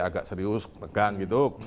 agak serius megang gitu